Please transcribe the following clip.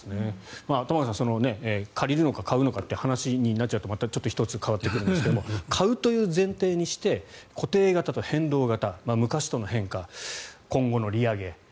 玉川さん借りるのか買うのかって話になっちゃうとまたちょっと１つ変わってくるんですが買うという前提にして固定型と変動型昔との変化、今後の利上げ。